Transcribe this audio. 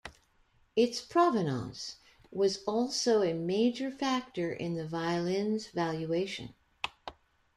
Its provenance was also a major factor in the violin's valuation.